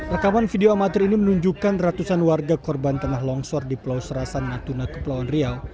rekaman video amatir ini menunjukkan ratusan warga korban tanah longsor di pulau serasan natuna kepulauan riau